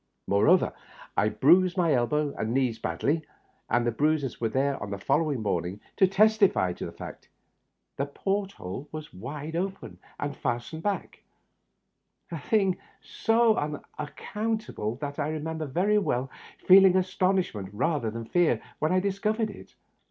Moreover, I bruised my elbows and knees badly, and the bruises were there on the following morning to testify to the fact, if I myself had doubted it. The port hole was wide open and fast ened back — a thing so unaccountable that I remember very well feeling astonishment rather than fear when I discovered it.